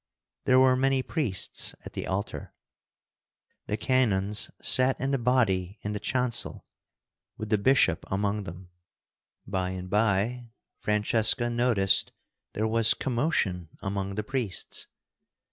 There were many priests at the altar. The canons sat in a body in the chancel, with the bishop among them. By and by Francesca noticed there was commotion among the priests.